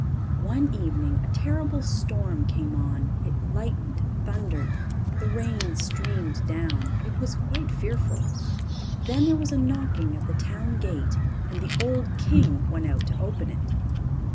One evening a terrible storm came on. It lightened and thundered, the rain streamed down; it was quite fearful! Then there was a knocking at the town gate, and the old king went out to open it.